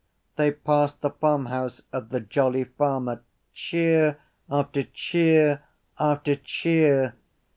They passed the farmhouse of the Jolly Farmer. Cheer after cheer after cheer.